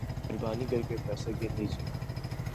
مہربانی کر کے پیسے گن لیجئے